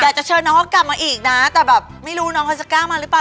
อยากจะเชิญน้องเขากลับมาอีกนะแต่แบบไม่รู้น้องเขาจะกล้ามาหรือเปล่า